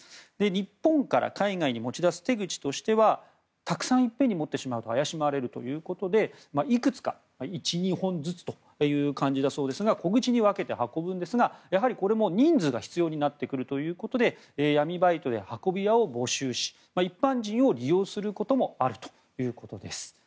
日本から海外に持ち出す手口としてはたくさん持ってしまうと怪しまれるということでいくつか、１２本ずつという感じだそうですが小口に分けて運びますがやはりこれも人数が必要だということで闇バイトや運び屋を募集し一般人を利用することもあるということです。